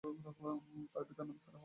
তার পিতার নাম সালেহ।